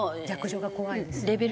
逆上が怖いですよね。